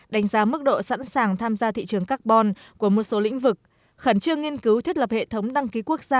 đánh giá mức độ sẵn sàng tham gia thị trường carbon của một số lĩnh vực khẩn trương nghiên cứu thiết lập hệ thống đăng ký quốc gia